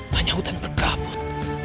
hanya hutan bergabut